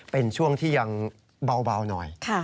เป็นช่วงที่ยังเบาหน่อย